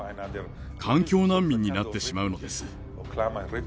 環境難民になってしまうのです。